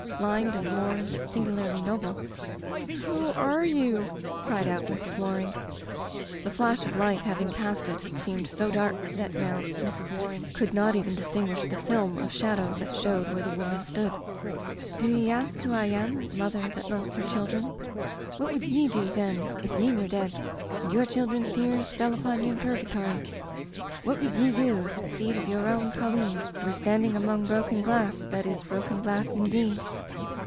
Lined and worn but singularly noble. "Who arc you ?" cried out Mrs. Waring. The flash of light having passed it seemed so dark that now Mrs. Waring could not even Digitized by LjOOQ IC Interventions distinguish the fihn of shadow that showed where the woman stood. "Do ye ask who I am — ^mother that loves her children? What would ye do, then, if ye were dead, and your children's tears fell upon ye in purgatory? What would ye do if the feet of your own colleen were standing among broken glass that is broken glass indeed?"